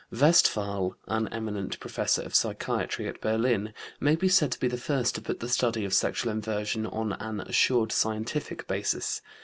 Westphal, an eminent professor of psychiatry at Berlin, may be said to be the first to put the study of sexual inversion on an assured scientific basis.